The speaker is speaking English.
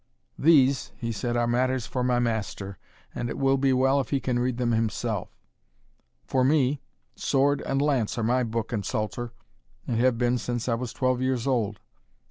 "These," he said, "are matters for my master, and it will be well if he can read them himself; for me, sword and lance are my book and psalter, and have been since I was twelve years old.